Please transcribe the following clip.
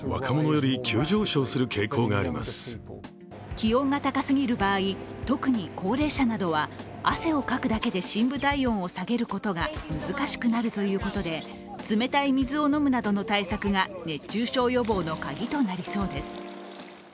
気温が高すぎる場合、特に高齢者などは汗をかくだけで深部体温を下げることが難しくなるということで冷たい水を飲むなどの対策が熱中症予防のカギとなりそうです。